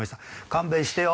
勘弁してよ！